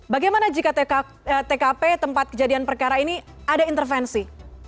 bagaimana jika tkp tempat kejadian perkara ini ada intervensi